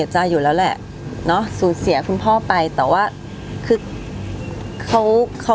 แกบุ๊คดร์